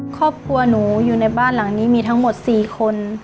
ครอบครัวหนูอยู่ในบ้านหลังนี้มีทั้งหมด๔คน